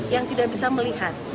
yang tidak bisa melihat